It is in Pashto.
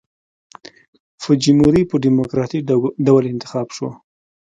فوجیموري په ډیموکراټیک ډول انتخاب شو.